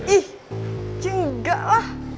ih jengga lah